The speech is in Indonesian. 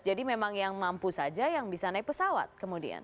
jadi memang yang mampu saja yang bisa naik pesawat kemudian